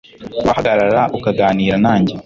wahagarara ukaganira nanjye